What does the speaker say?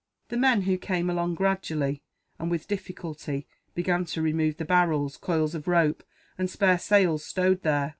The men, who came along gradually and with difficulty, began to remove the barrels, coils of rope, and spare sails stowed there.